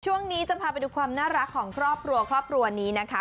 ช่วงนี้จะพาไปดูความน่ารักของครอบครัวครอบครัวนี้นะคะ